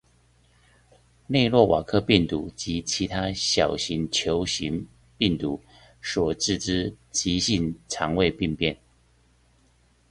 類諾瓦克病毒及其他小型球型病毒所致之急性胃腸病變